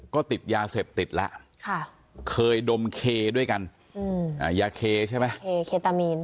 ก็ติดยาเสพติดแล้วเคยดมเคด้วยกันยาเคใช่ไหมตามีน